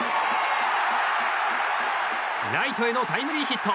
ライトへのタイムリーヒット。